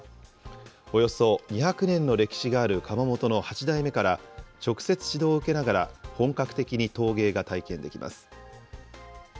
およそ２００年の歴史がある窯元の８代目から直接指導を受けながら、本格的に陶芸が体験できます。